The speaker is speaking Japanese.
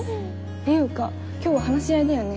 ていうか今日は話し合いだよね？